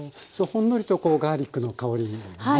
ほんのりとこのガーリックの香りがね。